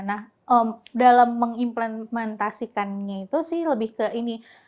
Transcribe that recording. nah dalam mengimplementasikannya itu sih lebih ke ini